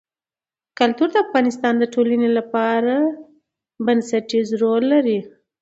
کلتور د افغانستان د ټولنې لپاره بنسټيز رول لري.